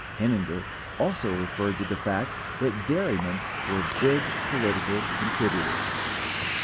Heininger also referred to the fact that dairy men were big political contributors.